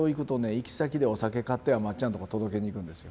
行き先でお酒買ってはまっちゃんのとこ届けに行くんですよ。